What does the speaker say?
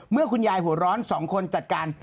คุณยายหัวร้อนสองคนจัดการ